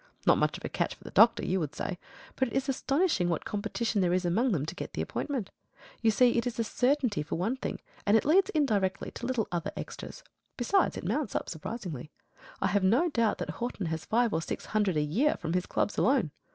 "Not much of a catch for the doctors," you would say, but it is astonishing what competition there is among them to get the appointment. You see it is a certainty for one thing, and it leads indirectly to other little extras. Besides, it amounts up surprisingly. I have no doubt that Horton has five or six hundred a year from his clubs alone.